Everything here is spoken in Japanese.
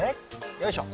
よいしょ。